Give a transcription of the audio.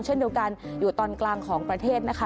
เช่นเดียวกันอยู่ตอนกลางของประเทศนะคะ